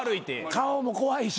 顔も怖いし。